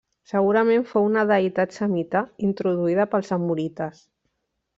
Segurament fou una deïtat semita introduïda pels amorites.